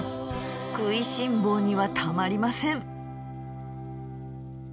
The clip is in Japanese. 食いしん坊にはたまりません。